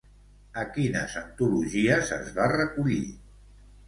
A quines antologies es va recollir?